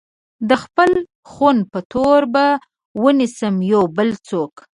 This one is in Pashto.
د خپل خون په تور به ونيسم يو بل څوک